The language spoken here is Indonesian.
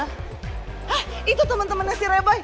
hah itu temen temennya si reba